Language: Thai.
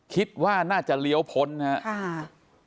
คิดว่าน่าจะเลี้ยวพ้นนะครับ